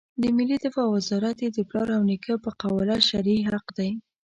د ملي دفاع وزارت یې د پلار او نیکه په قواله شرعي حق دی.